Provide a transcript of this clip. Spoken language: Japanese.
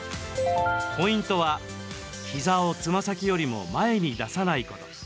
ポイントは膝をつま先よりも前に出さないこと。